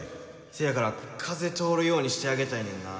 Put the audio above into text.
せやから風通るようにしてあげたいねんな。